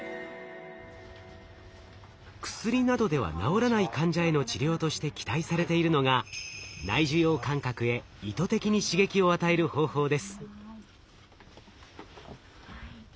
薬などでは治らない患者への治療として期待されているのが内受容感覚へ意図的に刺激を与える方法です。